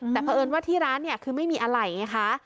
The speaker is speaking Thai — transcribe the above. แต่เพราะเอิญว่าที่ร้านเนี่ยคือไม่มีอะไรไงคะ